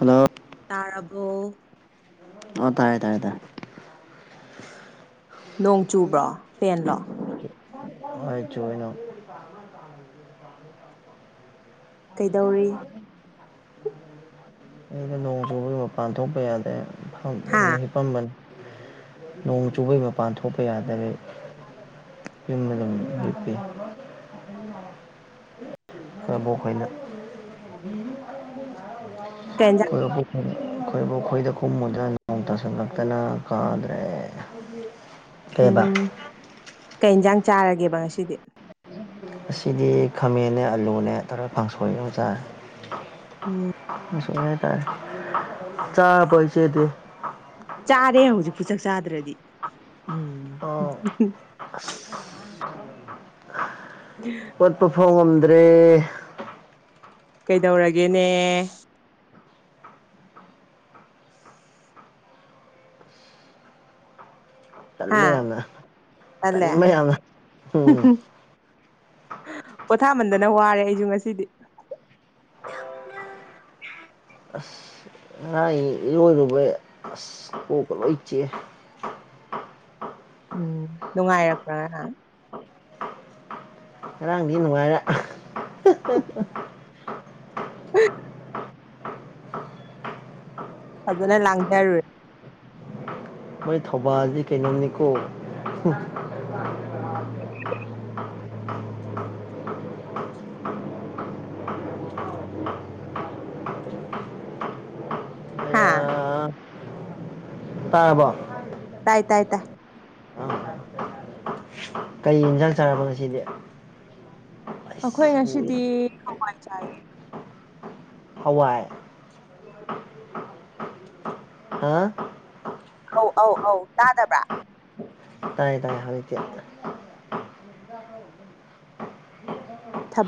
hello ꯇꯥꯔꯕꯣ ꯑꯣ ꯇꯔꯦ ꯇꯔꯦ ꯇ ꯅꯣꯡ ꯆꯨꯕ꯭ꯔꯣ ꯐꯦꯟꯂꯣ ꯍꯣꯏ ꯆꯨꯑ ꯅꯣꯡ ꯀꯩꯗꯧꯔꯤ [unintelligible] ꯑꯩꯅ ꯅꯣꯡ ꯆꯨꯕꯒꯤ ꯃꯄꯥꯟ ꯊꯣꯛꯄ ꯌꯥꯗꯦ ꯍꯥꯥ [unintelligible] ꯍꯤꯐꯝꯕ ꯅꯣꯡ ꯆꯨꯕꯒꯤ ꯃꯄꯥꯟ ꯊꯣꯛꯄ ꯌꯥꯗꯔꯦ [unintelligible] [unintelligible] ꯑꯕꯣꯛꯍꯣꯏꯅ ꯀꯦꯟꯖ [unintelligible] ꯑꯩꯈꯣꯏꯕꯨꯛ ꯈꯣꯏ ꯑꯕꯨꯛ ꯈꯣꯏꯗ ꯀꯣꯡꯃꯨꯗꯅ ꯅꯣꯡ ꯇꯁꯤꯜꯂꯛꯇꯅ ꯀꯥꯗ꯭ꯔꯦ [unintelligible] ꯎꯝ ꯀꯩ ꯏꯟꯁꯥꯡ ꯆꯥꯔꯒꯦꯕ ꯉꯁꯤꯗꯤ ꯑꯁꯤꯗꯤ ꯈꯥꯃꯦꯟꯅꯦ ꯑꯂꯨꯅꯦ ꯇꯧꯔꯒ ꯀꯥꯡꯁꯣꯏ ꯑꯃꯥ ꯆꯔꯦ ꯎꯝ [unintelligible] ꯆꯥꯔꯕꯣ ꯏꯆꯦꯗꯤ ꯆꯥꯔꯦ ꯍꯧꯖꯤꯛꯄꯨ ꯆꯥꯛ ꯆꯥꯗ꯭ꯔꯗꯤ ꯎꯝ ꯑꯣ ꯑꯁ [inaudible] ꯎꯠꯄ ꯐꯥꯎ ꯉꯝꯗ꯭ꯔꯦ ꯀꯩꯗꯧꯔꯒꯦꯅꯦ ꯇꯜꯂꯦ ꯍꯥ ꯌꯥꯝꯅ ꯇꯟꯂꯦ ꯇꯟꯕ ꯌꯥꯝꯅ ꯎꯝ [unintelligible] ꯄꯣꯊꯥꯃꯟꯗꯅ ꯋꯥꯔꯦ ꯑꯩꯁꯨ ꯉꯁꯤꯗꯤ ꯑꯁ ꯉꯥꯏ ꯏꯔꯣꯏꯔꯨꯕꯩ ꯑꯁ ꯀꯣꯛꯀꯥ ꯂꯣꯏꯆꯦ ꯎꯝ ꯅꯨꯡꯉꯥꯏꯔꯛꯄ꯭ꯔ ꯉꯔꯡ ꯉꯔꯥꯡꯗꯤ ꯅꯨꯡꯉꯥꯏꯔ [unintelligible] ꯐꯖꯅ ꯂꯥꯡꯗꯔꯨꯔꯒꯦ ꯃꯣꯏ ꯊꯧꯕꯥꯜꯗꯤ ꯀꯩꯅꯣꯝꯅꯤꯀꯣ ꯑꯌꯥ ꯍꯥꯥ ꯇꯥꯔꯕꯣ ꯇꯥꯏ ꯇꯥꯏ ꯇꯥꯏ ꯑꯥ ꯀꯩ ꯏꯟꯖꯥꯡ ꯆꯥꯔꯕ ꯉꯁꯤꯗꯤ ꯑꯩꯈꯣꯏ ꯑꯁ ꯉꯁꯤꯗꯤ ꯎꯏꯔꯦ ꯍꯋꯥꯏ ꯆꯥꯑꯦ ꯍꯋꯥꯏ ꯍꯥ ꯑꯧ ꯑꯧ ꯑꯧ ꯇꯥꯗꯕ꯭ꯔꯥ ꯇꯥꯏꯌꯦ ꯇꯥꯏꯌꯦ ꯍꯧꯖꯤꯛꯇꯤ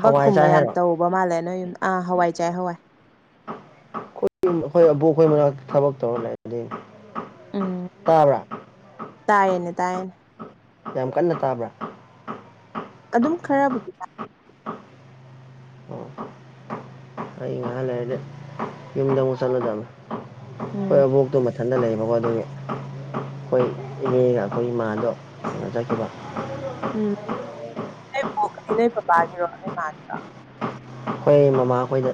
ꯍꯋꯥꯏ ꯆꯥꯏ ꯌꯥꯝ ꯍꯥꯏꯔꯣ ꯇꯧꯕ ꯃꯥꯜꯂꯦ ꯅꯣꯏ ꯌꯨꯝ ꯑꯥ ꯍꯋꯥꯏ ꯆꯥꯏ ꯍꯋꯥꯏ ꯈꯣꯏ ꯌꯨꯝ ꯑꯕꯣꯛ ꯑꯩꯈꯣꯏ ꯃꯅꯥꯛꯇ ꯊꯕꯛ ꯇꯧꯔ ꯂꯩ ꯗꯨꯏꯅꯤ ꯎꯝ ꯇꯥꯕ꯭ꯔꯥ ꯇꯥꯏꯌꯦꯅꯦ ꯇꯥꯏꯌꯦꯅꯦ ꯌꯥꯝ ꯀꯟꯅ ꯇꯥꯕ꯭ꯔꯥ ꯑꯗꯨꯝ ꯈꯔꯕꯨꯗꯤ ꯇꯥꯏ ꯍ ꯂꯩꯔꯗꯤ ꯌꯨꯝꯗ ꯑꯃꯨꯛ ꯆꯠꯂꯨꯗꯕꯅꯦ ꯈꯣꯏ ꯎꯝ ꯑꯕꯣꯛꯇꯣ ꯃꯊꯟꯇ ꯂꯩꯌꯦꯕꯀꯣ ꯑꯗꯨꯒꯤ ꯈꯣꯏ ꯏꯅꯦꯒ ꯑꯩꯈꯣꯏ ꯏꯃꯥꯗꯣ ꯀꯩꯅꯣ ꯆꯠꯈꯤꯕ ꯎꯝ ꯅꯣꯏ ꯕꯣꯛꯇꯤ ꯅꯣꯏ ꯄꯥꯄꯥꯒꯤꯔꯣ ꯅꯣꯏ ꯃꯥꯒꯤꯔꯣ ꯈꯣꯏ ꯃꯃꯥ ꯈꯣꯏꯗ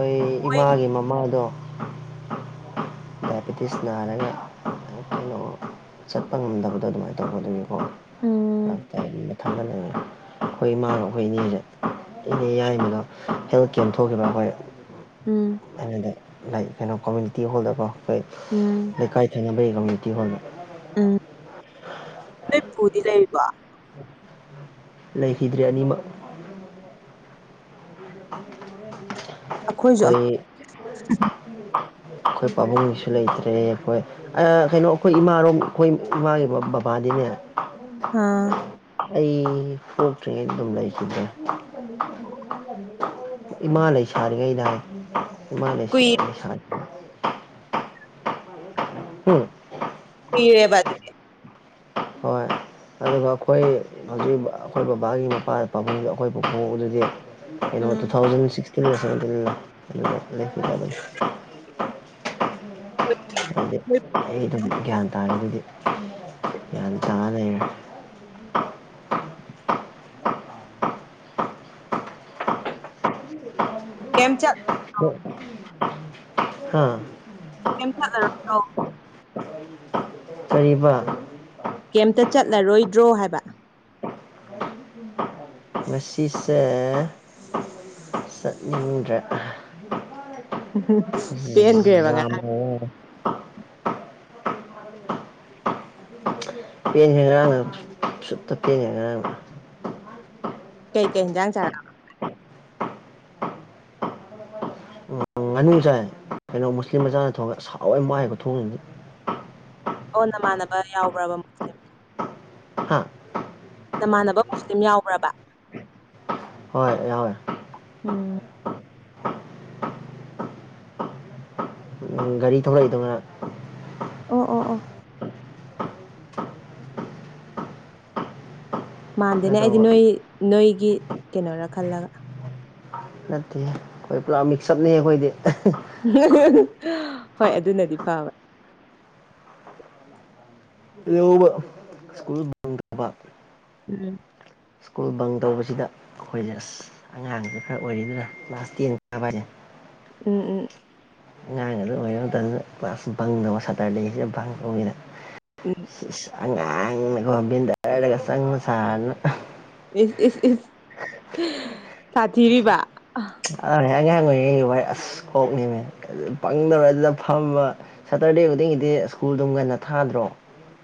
ꯑꯩꯈꯣꯏ ꯃꯣꯏ ꯏꯃꯥꯒꯤ ꯃꯃꯥꯗꯣ ꯗꯥꯏꯕꯦꯇꯤꯁ ꯅꯥꯔꯒ ꯀꯩꯅꯣ ꯆꯠꯄ ꯉꯝꯗꯕꯗꯣ ꯑꯗꯨꯃꯥꯏꯅ ꯇꯧꯕ ꯑꯗꯨꯒꯤ ꯎꯝ [inaudible] ꯈꯣꯏ ꯏꯃꯥꯒ ꯑꯩꯈꯣꯏ ꯏꯅꯦꯗꯣ ꯏꯅꯦ ꯌꯥꯏꯃꯥꯒ ꯍꯦꯜ ꯀꯦꯝ ꯊꯣꯛꯈꯤꯕ ꯑꯩꯈꯣꯏ ꯎꯝ ꯑꯩꯅꯅꯦ ꯅꯩ ꯀꯩꯅꯣ ꯀꯝꯃ꯭ꯌꯨꯅꯤꯇꯤ ꯍꯣꯜꯗꯀꯣ ꯈꯣꯏ ꯎꯝ ꯂꯩꯀꯥꯏ ꯊꯪꯅꯕꯒꯤ ꯀꯃ꯭ꯌꯨꯅꯤꯇꯤ ꯍꯣꯜꯗ ꯎꯝ ꯅꯣꯏ ꯄꯨꯗꯤ ꯂꯩꯔꯤꯕꯣ [inaudible] ꯂꯩꯈꯤꯗ꯭ꯔꯦ ꯑꯅꯤꯃꯛ [unintelligible] ꯑꯩꯈꯣꯏꯁꯨ ꯑꯝ ꯑꯩꯈꯣꯏ ꯄꯥꯕꯨꯡꯒꯤꯁꯨ ꯂꯩꯇ꯭ꯔꯦ ꯑꯩꯈꯣꯏ ꯑ ꯀꯩꯅꯣ ꯑꯩꯈꯣꯏ ꯏꯃꯥꯔꯣꯝ ꯑꯩꯈꯣꯏ ꯏꯃꯥꯒꯤ ꯕꯕꯥꯗꯤꯅꯦ ꯍꯥꯥ ꯑꯩ ꯄꯣꯛꯇ꯭ꯔꯤꯉꯩ ꯗꯨꯝ ꯂꯩꯈꯤꯗꯔꯦ ꯏꯃꯥ ꯂꯩꯁꯥꯔꯤꯉꯩꯗ ꯍꯥꯏ ꯏꯃꯥ ꯂꯩꯁ ꯀꯨꯏꯔꯦ ꯂꯩꯁꯔꯤ ꯎꯝ ꯀꯨꯏꯔꯦꯕ ꯑꯗꯨꯗꯤ ꯍꯣꯏ ꯑꯗꯨꯒ ꯑꯩꯈꯣꯏ ꯍꯧꯖꯤꯛ ꯑꯩꯈꯣꯏ ꯕꯕꯥꯒꯤ ꯃꯄꯥ ꯄꯥꯕꯨꯡꯗꯣ ꯑꯩꯈꯣꯏ ꯄꯨꯄꯨꯗꯨꯗꯤ ꯀꯩꯅꯣ ꯎꯝ ꯇꯨꯊꯥꯎꯖꯟ ꯁꯤꯁꯇꯤꯟ ꯑꯁ꯭ꯋꯥꯏꯗ ꯅꯤ ꯂꯩ ꯂꯩꯈꯤ [inaudible] ꯍꯥꯏꯗꯤ ꯑꯩ ꯑꯗꯨꯝ ꯒ꯭ꯌꯥꯟ ꯇꯥꯕꯗꯨꯗꯤ ꯒ꯭ꯌꯥꯟ ꯇꯥ ꯂꯩꯔꯦ ꯀꯦꯝ ꯆꯠ [inaudible] ꯍꯥꯥ [inaudible] ꯑꯥ ꯀꯔꯤꯕ ꯀꯦꯝꯇ ꯆꯠꯂꯔꯣꯏꯗ꯭ꯔꯣ ꯍꯥꯏꯕ ꯉꯁꯤꯁꯦ ꯆꯠꯅꯤꯡꯗ꯭ꯔꯦ [inaudible] ꯄꯦꯟꯒ꯭ꯔꯦꯕ ꯉꯔꯥꯡ ꯑꯣ ꯄꯦꯟ ꯍꯦꯡꯒ꯭ꯔꯦ ꯁꯨꯇꯣ ꯄꯦꯟ ꯍꯦꯡꯒ꯭ꯔꯦ ꯀꯩ ꯀꯩꯖꯥꯡ ꯆꯥ ꯉꯥꯅꯨ ꯆꯥꯏ ꯀꯩꯅꯣ ꯃꯨꯁꯂꯤꯝ ꯃꯆꯥꯅ ꯊꯣꯡꯉꯒ ꯑꯁ ꯍꯥꯎꯋꯦ ꯃꯥꯏꯈꯨ ꯊꯣꯡꯗꯤ ꯑꯣ ꯅꯃꯥꯟꯅꯕ ꯌꯥꯎꯕ꯭ꯔꯕ ꯃꯨꯁꯂꯤꯝ ꯍꯥ ꯅꯃꯥꯟꯅꯕ ꯃꯨꯁꯂꯤꯝ ꯌꯥꯎꯕ꯭ꯔꯥꯕ ꯍꯣꯏ ꯌꯥꯎꯋꯦ ꯎꯝ ꯒꯥꯔꯤ ꯊꯧꯔꯛꯏꯗꯨꯉꯥ ꯑꯣ ꯑꯣ ꯑꯣ ꯀꯩꯅꯣ ꯃꯥꯟꯗꯦꯅꯦ ꯑꯩꯗꯤ ꯇꯧꯕ ꯅꯣꯏ ꯅꯣꯏꯒꯤ ꯀꯩꯅꯣꯔꯥ ꯈꯜꯂꯒ ꯅꯠꯇꯦ ꯑꯩꯈꯣꯏ ꯄꯨꯔꯥ ꯃꯤꯛꯁꯑꯞꯅꯤ ꯑꯩꯈꯣꯏꯗꯤ ꯍꯣꯏ ꯑꯗꯨꯅꯗꯤ ꯐꯕ ꯁ꯭ꯀꯨꯜ ꯕꯪ ꯇꯧꯕ ꯎꯝ ꯁ꯭ꯀꯨꯜ ꯕꯪ ꯇꯧꯕꯁꯤꯗ ꯑꯩꯈꯣꯏꯅ ꯑꯁ ꯑꯉꯥꯡꯁ ꯈꯔ ꯑꯣꯏꯔꯤ ꯑꯗꯨꯅ ꯀ꯭ꯂꯥꯁ ꯇꯦꯟꯥꯕ ꯍꯥꯏꯅꯤ ꯎꯝ ꯎꯝ ꯑꯉꯥꯡ ꯑꯗꯨ ꯑꯣꯏꯔꯗꯅ ꯀ꯭ꯂꯥꯁ ꯪꯗꯕ ꯁꯥꯇꯔ ꯂꯩꯁꯦ ꯕꯪ ꯇꯧꯕꯅꯤꯅ ꯎꯝ ꯑꯉꯥꯡꯅꯒꯣꯕꯤꯟꯗꯔꯒ ꯁꯪ ꯁꯥꯔꯅ ꯏꯁ ꯏꯁ ꯏꯁ ꯁꯥꯊꯤꯔꯤꯕ ꯑ ꯑꯉꯥꯡ ꯑꯣꯏꯔꯤꯉꯩꯁꯨ ꯚꯥꯏ ꯑꯁ ꯀꯣꯛꯅꯤꯃꯦ ꯄꯪꯗꯧꯔ ꯑꯗꯨꯗ ꯐꯝꯕ ꯁꯇꯔꯗꯦ ꯈꯨꯗꯤꯡꯒꯤꯗꯤ ꯁ꯭ꯀꯨꯜꯗꯨꯝ ꯉꯟꯅ ꯊꯥꯗ꯭ꯔꯣ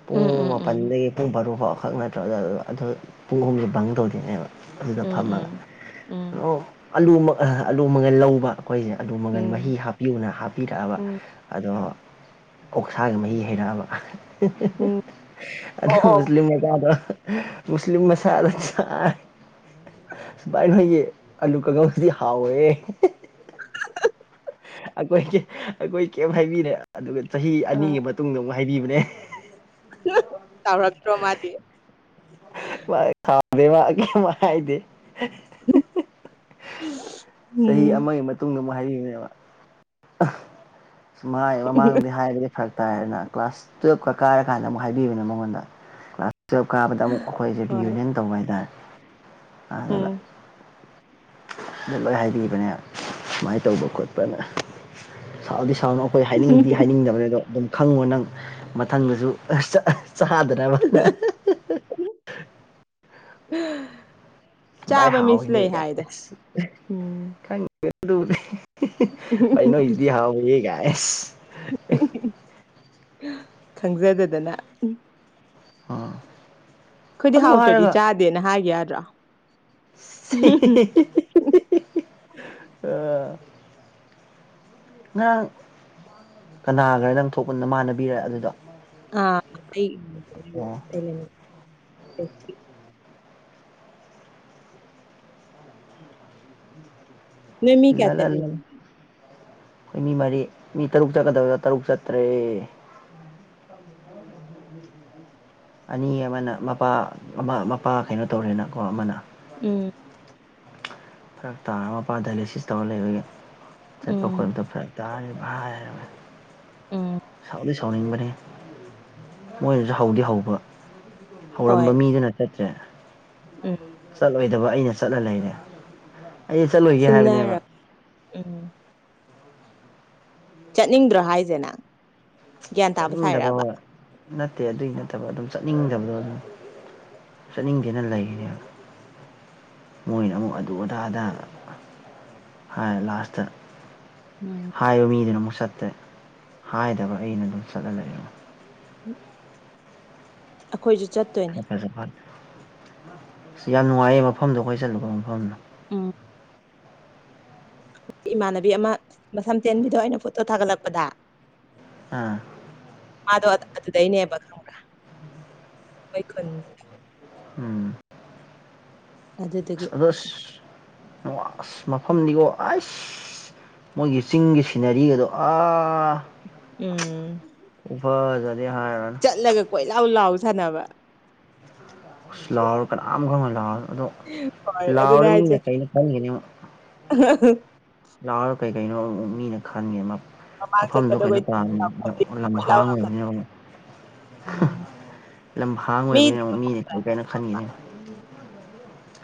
ꯄꯨꯡ ꯎꯝ ꯎꯝ ꯎꯝ ꯃꯥꯄꯜꯗꯒꯤ ꯄꯨꯡ ꯔꯨ ꯐꯥꯎ ꯈꯛ ꯅꯠꯇ꯭ꯔ ꯑꯗꯨ ꯄꯨꯡ ꯍꯨꯝꯁꯦ ꯕꯪ ꯇꯧꯗꯣꯏꯅꯦꯕ ꯑꯗꯨꯗ ꯎꯝ ꯐꯝꯃꯒ ꯎꯝ ꯎꯝ ꯑꯂꯨ ꯑꯂꯨ ꯃꯒꯜ ꯂꯧꯕ ꯑꯩꯈꯣꯏꯁꯦ ꯑꯂꯨ ꯃꯪꯒꯟ ꯎꯝ ꯃꯍꯤ ꯍꯥꯞ ꯄꯤꯌꯨꯅ ꯍꯥꯞꯄꯤꯔꯛꯑꯕ ꯎꯝ ꯑꯗꯣ ꯑꯣꯛꯁꯥꯒꯤ ꯃꯍꯤ ꯍꯩꯔꯛꯑꯕ ꯍ ꯍ ꯍ ꯎꯝ ꯑꯗꯨ ꯑꯣ ꯑꯣ ꯃꯨꯁꯂꯤꯝ ꯃꯆꯥꯗꯣ ꯃꯨꯁꯂꯤꯝ ꯃꯁꯥꯗ ꯆꯥꯏ ꯁꯨꯃꯥꯏꯅ ꯍꯣꯏꯒꯤ ꯑꯂꯨ ꯀꯪꯉ ꯑꯗꯨꯗꯤ ꯍꯥꯎꯋꯦ ꯑꯩꯈꯣꯏꯒꯤ ꯑꯩꯈꯣꯏ ꯀꯩꯝ ꯍꯥꯏꯕꯤꯔꯦ ꯑꯗꯨꯒ ꯆꯍꯤ ꯑꯥ ꯑꯅꯤꯒꯤ ꯃꯇꯨꯡꯗ ꯑꯃꯨꯛ ꯍꯥꯏꯕꯤꯕꯅꯦ ꯁꯥꯎꯔꯛꯇ꯭ꯔꯣ ꯃꯥꯗꯤ ꯃꯥ ꯈꯥꯎꯗꯦ ꯃꯥ ꯀꯩꯝ ꯍꯥꯏꯗꯦ ꯆꯍꯤ ꯎꯝ ꯑꯃꯒꯤ ꯃꯇꯨꯡꯗ ꯑꯃꯨꯛ ꯍꯥꯏꯕꯤꯅꯦꯕ ꯁꯨꯝ ꯃꯥꯏ ꯃꯃꯥꯡꯗꯤ ꯍꯥꯏꯕꯗꯤ ꯐꯔꯛ ꯇꯥꯏꯔꯦꯅ ꯀ꯭ꯂꯥꯁ ꯇꯨꯌꯦꯜꯞꯀ ꯀꯥꯔ ꯀꯥꯟꯗ ꯑꯃꯨꯛ ꯍꯥꯏꯕꯤꯕꯅꯦ ꯃꯉꯣꯟꯗ ꯀ꯭ꯂꯥꯁ ꯇꯨꯌꯦꯜꯞ ꯀꯥꯕꯗ ꯑꯃꯨꯛ ꯑꯩꯈꯣꯏꯖꯦ ꯔꯤ ꯍꯣꯏ ꯌꯨꯅꯤꯌꯟ ꯇꯧꯕ ꯍꯥꯏꯇꯥꯔꯦ ꯑꯗꯨꯒ ꯎꯝ ꯑꯗꯨ ꯂꯣꯏ ꯍꯥꯏꯕꯤꯕꯅꯦ ꯁꯨꯃꯥꯏꯅ ꯇꯧꯕ ꯈꯣꯠꯄꯅ ꯁꯥꯎꯗꯤ ꯁꯥꯎꯅꯨ ꯑꯩꯈꯣꯏ ꯍꯥꯏꯅꯤꯡꯗꯤ ꯍꯥꯏꯅꯤꯡꯗꯕꯅꯦ ꯑꯗꯣ ꯑꯗꯨꯝ ꯈꯪꯉꯣ ꯅꯪ ꯃꯊꯪꯗꯁꯨ ꯆꯥꯗꯅꯕꯅ ꯍꯨꯝ ꯑꯍ ꯚꯥꯏ ꯍꯥꯎꯏꯅꯦꯒ ꯑꯁ ꯎꯝ ꯈꯪꯗꯦ ꯑꯗꯨꯗꯤ ꯍꯤꯍꯤ ꯚꯥꯏ ꯅꯣꯏꯖꯤꯗꯤ ꯍꯥꯥꯎꯏꯍꯦ ꯒꯥꯥ ꯒꯥꯏ ꯑꯦ ꯈꯪꯖꯗꯗꯅ ꯑꯣ ꯑꯩꯈꯣꯏꯗꯤ ꯍꯥꯎꯇ꯭ꯔꯗꯤ ꯆꯥꯗꯦꯅ ꯍꯥꯏꯒꯤ ꯌꯥꯗ꯭ꯔꯣ ꯍꯤ ꯍꯤ ꯍꯤ ꯑ ꯅꯪ ꯀꯅꯥꯒꯔ ꯅꯪ ꯊꯣꯛꯄ ꯅꯃꯥꯟꯅꯕꯤꯔꯥ ꯑꯗꯨꯗꯣ ꯑ ꯑꯣ [unintelligible] ꯅꯣꯏ ꯃꯤ ꯀꯌꯥ ꯂꯂꯂ ꯆꯠꯂꯤꯅꯣ ꯑꯩꯈꯣꯏ ꯃꯤ ꯃꯔꯤ ꯃꯤ ꯇꯔꯨꯛ ꯆꯠꯀꯗꯕꯗ ꯇꯔꯨꯛ ꯆꯠꯇ꯭ꯔꯦ ꯑꯅꯤ ꯑꯃꯅ ꯃꯄꯥ ꯑꯃ ꯃꯄꯥ ꯀꯩꯅꯣ ꯇꯧꯔꯦꯅꯀꯣ ꯑꯃꯅ ꯎꯝ ꯐꯔꯛ ꯇꯥꯔ ꯃꯄꯥ ꯗꯥꯏꯂꯥꯏꯁꯤꯁ ꯇꯧꯔ ꯂꯩꯕꯒꯤ ꯆꯠꯄ ꯎꯝ ꯈꯣꯠꯄꯗꯣ ꯐꯔꯛ ꯇꯥꯔ ꯂꯩ ꯍꯥꯏꯔ ꯎꯝ ꯁꯥꯎꯗꯤ ꯁꯥꯎꯅꯤꯡꯕꯅꯦꯍꯦ ꯃꯣꯏꯅꯖꯨ ꯍꯧꯗꯤ ꯍꯧꯕ ꯍꯣꯏ ꯍꯧꯔꯝꯕ ꯃꯤꯗꯨꯅ ꯆꯠꯇ꯭ꯔꯦ ꯎꯝ ꯆꯠꯂꯣꯏꯗꯕ ꯑꯩꯅ ꯆꯠꯂ ꯂꯩꯔꯦ ꯑꯩꯗꯤ ꯆꯠꯂꯣꯏꯒꯦ ꯍꯥꯏꯕꯅꯦꯕ ꯁꯤꯟꯅꯔ ꯎꯝ ꯆꯠꯅꯤꯡꯗ꯭ꯔꯣ ꯍꯥꯏꯁꯦꯅꯪ ꯆꯠꯅꯤꯡꯗꯕꯣ ꯅꯠꯇꯦ ꯑꯗꯨꯒꯤ ꯅꯠꯇꯕ ꯑꯗꯨꯝ ꯆꯠꯅꯤꯡꯗꯕꯗꯣ ꯑꯗꯨꯝ ꯆꯠꯅꯤꯡꯗꯦꯅ ꯂꯩꯈꯤꯅꯦꯕ ꯃꯣꯏꯅ ꯑꯃꯨꯛ ꯑꯗꯨ ꯑꯗꯥ ꯑꯗꯥ ꯍꯥꯏ ꯂꯥꯁꯇ ꯎꯝ ꯍꯥꯏꯕ ꯃꯤꯗꯨꯅ ꯑꯃꯨꯛ ꯆꯠꯇ꯭ꯔꯦ ꯍꯥꯏꯗꯕ ꯑꯩꯅ ꯑꯗꯨꯝ ꯆꯠꯂ ꯂꯩꯔꯦ [inaudible] ꯑꯩꯈꯣꯏꯖꯨ ꯆꯠꯇꯣꯏ ꯐꯖꯐꯥꯠ ꯑꯁ ꯌꯥꯝ ꯅꯨꯡꯉꯥꯏꯌꯦ ꯃꯐꯝꯗꯣ ꯑꯩꯈꯣꯏ ꯆꯠꯂꯨꯕ ꯃꯐꯝꯗ ꯎꯝ ꯏꯃꯥꯟꯅꯕꯤ ꯑꯃ ꯃꯁꯝ ꯇꯦꯟꯕꯤꯗꯣ ꯑꯩꯅ ꯐꯣꯇꯣ ꯊꯥꯒꯠꯂꯛꯄꯗ ꯎꯝ ꯃꯥꯗꯣ ꯑꯗꯨꯗꯩꯅꯦꯕ ꯈꯪꯕ꯭ꯔꯥ ꯑꯩꯣꯏ ꯈꯨꯨꯟ ꯎꯝ ꯑꯗꯨꯗꯨꯒꯤ ꯑꯁ ꯑꯗ ꯑꯁꯁ ꯃꯐꯝꯅꯤꯀꯣ ꯑꯁ ꯃꯣꯏꯒꯤ ꯆꯤꯡꯒꯤ ꯁꯤꯅꯔꯤ ꯑꯗꯣ ꯑ ꯎꯝ ꯐꯖꯅꯤ ꯍꯥꯏꯔꯅ ꯆꯠꯂꯒ ꯀꯣꯏ ꯂꯥꯎ ꯂꯥꯎ ꯁꯥꯟꯅꯕ ꯂꯥꯎꯔ ꯀꯅꯥꯝ ꯈꯔ ꯑꯃ ꯂꯥꯎꯔ ꯑꯗꯣ ꯍꯣꯏ ꯑꯗꯨꯅꯦ ꯂꯥꯎꯔ ꯍꯥꯏꯁꯦ ꯃꯤꯅ ꯀꯩꯅꯣ ꯈꯟꯒꯅꯤꯛ [unintelligible] ꯂꯥꯛꯑꯣꯔ ꯀꯩ ꯀꯩꯅꯣ ꯑꯃꯨꯛ ꯃꯤꯅ ꯈꯟꯒꯦ ꯃꯃꯥꯡ ꯃꯐꯝꯗꯨ ꯆꯠꯄꯗꯣ ꯀꯩꯅꯣ ꯇꯥꯡꯉ ꯂꯝꯍꯥꯡꯉꯕꯅꯤꯅ ꯑꯣ ꯂꯝꯍꯥꯡ ꯑꯣꯏꯕꯅꯤꯅ ꯑꯃꯨꯛ ꯃꯤꯅꯤ ꯀꯩ ꯀꯅꯣ ꯈꯟꯈꯤꯅꯦ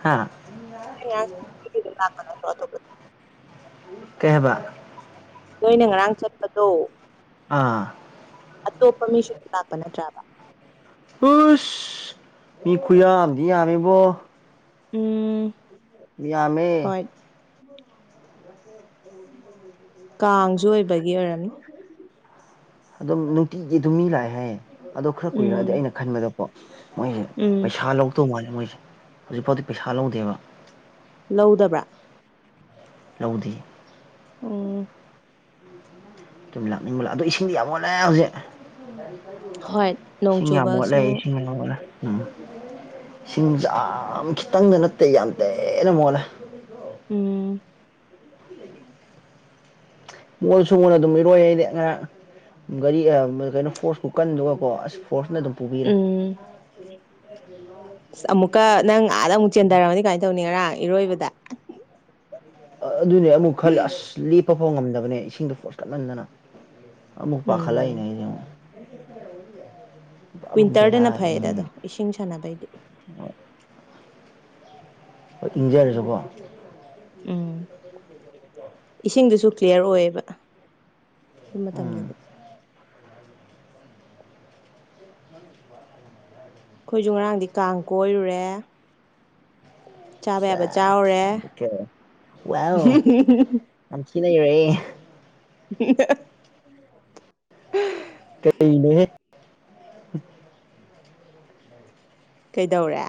ꯍꯥ [unintelligible] ꯀꯩꯍꯕ ꯅ ꯑꯩꯅ ꯉꯔꯥꯡ ꯆꯠꯄꯗꯣ ꯑꯥ ꯑꯇꯣꯞꯄ ꯃꯤꯁꯨ ꯑꯗꯨ ꯂꯥꯛꯄ ꯅꯠꯇ꯭ꯔꯥꯕ ꯄꯨꯁ ꯃꯤꯈꯨꯌꯥꯗꯤ ꯌꯥꯃꯦꯕꯣ ꯎꯝ ꯌꯥ ꯌꯥꯃꯦ ꯍꯣꯏ ꯀꯥꯡꯁꯨ ꯑꯣꯏꯕꯒꯤ ꯑꯣꯏꯔꯝꯅꯤ ꯑꯗꯨꯝ ꯅꯨꯡꯇꯤꯒꯤ ꯑꯗꯨꯝ ꯃꯤ ꯂꯥꯛꯑꯦ ꯍꯥꯏꯌꯦ ꯑꯣ ꯈꯔ ꯀꯨꯏꯔꯛꯑꯗꯤ ꯎꯝ ꯑꯩꯅ ꯈꯟꯕꯗꯀꯣ ꯃꯣꯏꯁꯦ ꯎꯝ ꯄꯩꯁꯥ ꯂꯧ ꯇꯧ ꯃꯥꯜꯂꯦ ꯃꯣꯏꯁꯦ ꯍꯧꯖꯤꯛꯐꯥꯎꯗꯤ ꯄꯩꯁꯥ ꯂꯧꯗꯦꯕ ꯂꯧꯗꯕ꯭ꯔꯥ ꯂꯧꯗꯦ ꯑꯣꯝ ꯇꯨꯝ ꯂꯞꯅꯤꯡꯕꯂ ꯑꯣ ꯏꯁꯤꯡꯗꯤ ꯌꯥꯝꯣꯟ ꯐꯦ ꯍꯧꯖꯤꯛ ꯍꯣꯏ ꯅꯣꯡ ꯏꯁꯤꯡ ꯌꯥꯝ ꯃꯣꯠꯂꯦ ꯆꯨꯕꯁꯨ ꯏꯁꯤꯡ ꯌꯥꯝ ꯃꯣꯠꯂꯦ ꯎꯝ ꯁꯤꯡꯁꯦ ꯌꯥꯝ ꯈꯤꯇꯪꯗ ꯅꯠꯇꯦ ꯌꯥꯝ ꯇꯦꯅ ꯃꯣꯜꯂꯦ ꯎꯝ ꯃꯣꯏꯁꯨ ꯃꯣꯟꯅ ꯑꯗꯨꯝ ꯏꯔꯣꯏ ꯍꯥꯏꯗꯤ ꯉꯔꯥꯡ ꯒꯥꯔꯤ ꯀꯩꯅꯣ ꯐꯣꯔꯁ ꯈꯨꯀꯟꯗꯨꯒꯀꯣ ꯑꯁ ꯀ꯭ꯔꯣꯁꯠꯅ ꯗꯨꯝ ꯄꯨꯕꯤꯔꯦ ꯎꯝ ꯑꯁ ꯑꯃꯨꯛꯀ ꯅꯪ ꯑꯥꯗ ꯑꯃꯨꯛ ꯆꯦꯟꯗꯔꯝꯃꯗꯤ ꯀꯃꯥꯏ ꯇꯧꯅꯤ ꯉꯔꯥꯡ ꯏꯔꯣꯏꯕꯗ ꯑꯗꯨꯅꯦ ꯑꯃꯨꯛ ꯈꯜ ꯑꯁ ꯂꯦꯞꯄ ꯐꯥꯎ ꯉꯝꯗꯕꯅꯦ ꯏꯁꯤꯡꯗꯣ ꯐꯣꯔꯁ ꯀꯟꯃꯟꯗꯅ ꯑꯃꯨꯛ ꯄꯥꯈꯠꯂꯛꯏꯅꯦ ꯎꯝ ꯑꯃꯨꯛ ꯋꯤꯟꯇꯔꯗꯅ ꯐꯩꯌꯦꯗ ꯑꯗꯣ ꯕꯦꯔꯥꯅꯤ ꯏꯁꯤꯡ ꯁꯥꯟꯅꯕꯩꯗꯤ ꯎ [inaudible] ꯍꯣꯏ ꯏꯟꯖꯔꯁꯨꯕꯣ ꯎꯝ ꯏꯁꯤꯡꯗꯨꯁꯨ ꯀ꯭ꯂꯤꯌꯥꯔ ꯑꯣꯏꯌꯦꯕ ꯑꯗꯨꯝ ꯎꯝ ꯃꯇꯝꯗꯗꯤ [inaudible] ꯑꯩꯈꯣꯏꯁꯨ ꯉꯔꯥꯡꯗꯤ ꯀꯥꯡ ꯀꯣꯏꯔꯨꯔꯦ ꯆꯥꯕ ꯌꯥꯕ ꯆꯥꯔꯦ ꯋꯥꯎ ꯌꯥꯝ ꯊꯤꯅꯩꯔꯦ ꯎ ꯀꯩꯅꯦ ꯀꯩꯗꯧꯔꯦ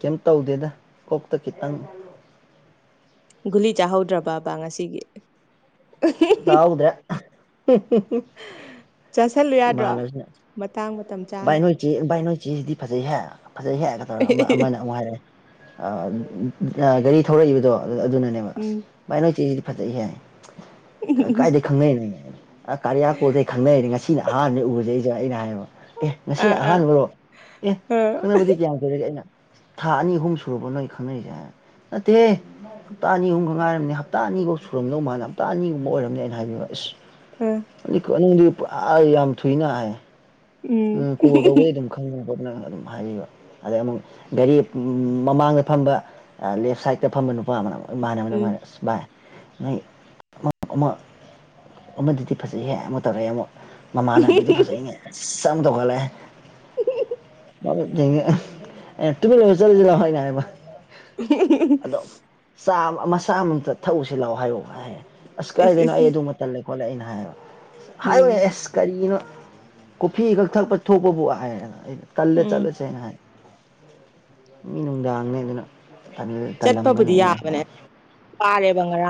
ꯀꯩꯝ ꯇꯧꯗꯦꯗ ꯀꯣꯛꯇ ꯈꯤꯇꯪ ꯒꯨꯂꯤ ꯆꯥꯍꯧꯗ꯭ꯔꯕꯕꯕꯥ ꯉꯁꯤꯒꯤ ꯍꯥꯎꯗ꯭ꯔꯦ ꯆꯥꯁꯜꯂꯨ ꯌꯥꯗ꯭ꯔꯣ ꯃꯇꯥꯡ ꯃꯇꯝ ꯆꯥꯅ ꯕꯥꯏ ꯅꯣꯏ ꯆꯦꯖꯤꯗꯤ ꯐꯖꯩꯍꯦ ꯐꯖꯩꯍꯦ ꯑꯃ ꯑꯃꯅ ꯍꯥꯏꯔꯛꯑꯦ ꯒꯥꯔꯤ ꯊꯧꯔꯛꯏꯕꯗꯣ ꯑꯗꯨꯅꯅꯦꯕ ꯎꯝ ꯚꯥꯏ ꯅꯣꯏ ꯆꯦꯖꯤꯗꯤ ꯐꯖꯩꯍꯦ ꯀꯥꯏꯗꯩ ꯈꯪꯅꯩꯅ ꯀꯔꯤꯌꯥꯀꯣꯜꯗꯩ ꯈꯪꯅꯩꯅꯦ ꯉꯁꯤꯅ ꯑꯍꯥꯟꯕꯅꯦ ꯎꯔꯤꯖꯦ ꯑꯩꯅ ꯍꯥꯏꯌꯦꯕ ꯑꯦ ꯉꯁꯤꯅ ꯑꯥ ꯑꯥ ꯑꯍꯥꯟꯕꯔꯣ ꯑꯦ ꯑꯥ ꯈꯪꯅꯕꯗꯤ ꯀꯌꯥꯝ ꯀꯨꯏꯔꯒꯦ ꯑꯩꯅ ꯊꯥ ꯑꯅꯤ ꯍꯨꯝ ꯁꯨꯔꯕꯣ ꯅꯣꯏ ꯈꯪꯅꯔꯤꯁꯦ ꯍꯥꯏ ꯅꯠꯇꯦ ꯍꯞꯇꯥ ꯑꯅꯤ ꯑꯍꯨꯝꯒ ꯉꯥꯏꯔꯝꯅꯦ ꯍꯞꯇꯥ ꯑꯅꯤꯐꯧ ꯁꯨꯔꯝꯗꯧ ꯃꯥꯜꯂ ꯍꯞꯇꯥ ꯑꯅꯤꯒꯨꯝꯕ ꯑꯣꯏꯔꯝꯅꯦꯅ ꯍꯥꯏꯕꯤꯕ ꯑꯦꯁ ꯎꯝ ꯅꯪꯗꯤ ꯄꯨꯔꯥ ꯌꯥꯝ ꯊꯨꯏꯅ ꯍꯥꯏ ꯎꯝ ꯀꯣꯜ ꯇꯧꯕꯩ ꯑꯗꯨꯝ ꯈꯪꯅꯤꯡꯕ ꯅꯪ ꯑꯗꯨꯝ ꯍꯥꯏꯕꯤꯕ ꯑꯗꯩ ꯑꯃꯨꯛ ꯒꯥꯔꯤ ꯃꯃꯥꯡꯗ ꯐꯝꯕ ꯂꯦꯞ ꯁꯥꯏꯠꯇ ꯐꯝꯕ ꯅꯨꯄꯥ ꯑꯃꯅ ꯑꯃꯨꯛ ꯃꯥꯟꯅꯕꯅ ꯎꯝ ꯃꯥꯟꯅꯁꯤ ꯚꯥꯏ ꯅꯣꯏ ꯑꯃ ꯑꯃꯗꯨꯗꯤ ꯐꯖꯩꯍꯦ ꯑꯃꯨꯛ ꯇꯧꯔꯛꯑꯦ ꯑꯃꯨꯛ ꯃꯃꯥꯟꯅꯕꯤꯗꯨ ꯐꯖꯩꯅꯦ ꯑꯁ ꯆꯪ ꯇꯧꯈꯠꯂꯦ [unintelligible] ꯑꯩ ꯇꯨꯃꯤꯟꯅ ꯂꯩꯑꯣ ꯆꯠꯂꯁꯤ ꯂꯥꯎ ꯑꯩꯅ ꯍꯥꯏꯕ ꯑꯗꯣ ꯥ ꯃꯁꯥ ꯑꯃꯃꯝꯇ ꯊꯛꯎꯁꯤ ꯂꯥꯛꯑꯣ ꯍꯥꯏꯌꯣ ꯍꯥꯏ ꯑꯁ ꯏꯁ ꯀꯥꯏꯗꯅꯣ ꯏꯁ ꯑꯩ ꯑꯗꯨ ꯇꯜꯂꯦ ꯈꯣꯠꯂꯦ ꯑꯩꯅ ꯍꯥꯏꯌꯦꯕ ꯍꯥꯏꯋꯦ ꯎꯝ ꯑꯦꯁ ꯀꯔꯤꯅꯣ ꯀꯣꯐꯤ ꯈꯛ ꯊꯛꯄ ꯊꯣꯛꯄꯕꯨ ꯍꯥꯏ ꯇꯜꯂꯦ ꯎꯝ ꯆꯠꯂꯁꯦ ꯍꯥꯏ ꯃꯤ ꯅꯨꯡꯗꯥꯡꯅꯦ ꯑꯗꯨꯅ ꯑꯗꯨ ꯇꯜꯂꯝꯒꯅꯤ ꯑꯩꯅ ꯄꯥꯔꯦ ꯕꯪꯔꯥ